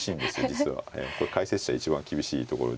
これ解説者一番厳しいところで。